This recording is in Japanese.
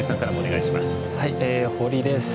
堀です。